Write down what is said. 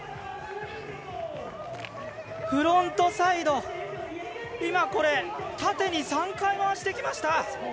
フロントサイド、今これ、縦に３回、回してきました。